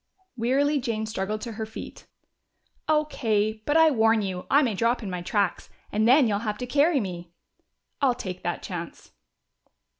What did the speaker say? Wearily Jane struggled to her feet. "O.K. But I warn you, I may drop in my tracks, and then you'll have to carry me." "I'll take a chance."